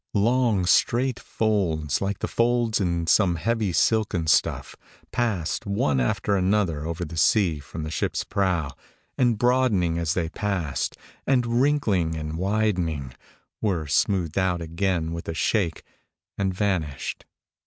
Long, straight folds, like the folds in some heavy silken stuff, passed one after another over the sea from the ship's prow, and broadening as they passed, and wrinkling and widening, were smoothed out again with a shake, and vanished.